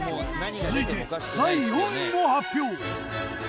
続いて第４位の発表。